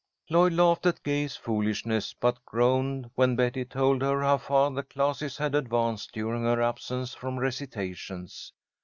Lloyd laughed at Gay's foolishness, but groaned when Betty told her how far the classes had advanced during her absence from recitations.